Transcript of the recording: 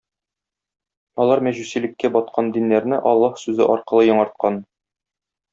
Алар мәҗүсилеккә баткан диннәрне Аллаһ сүзе аркылы яңарткан.